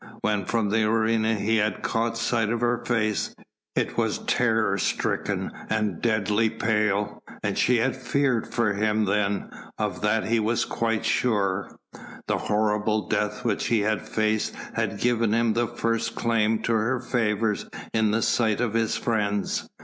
When from the arena he had caught sight of her face, it was terror stricken and deathly pale; she had feared for him then, of that he was quite sure. The horrible death which he had faced had given him the first claim to her favours in the sight of his friends.